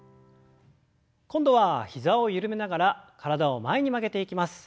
今度は膝を緩めながら体を前に曲げていきます。